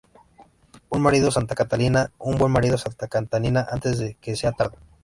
Un marido, Santa Catalina, un buen marido, Santa Catalina, antes de que sea tarde".